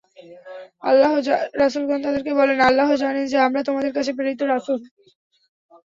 রাসূলগণ তাদেরকে বলেনঃ আল্লাহ্ জানেন যে, আমরা তোমাদের কাছে প্রেরিত রাসূল।